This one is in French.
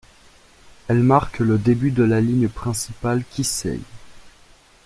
Elle marque le début de la ligne principale Kisei.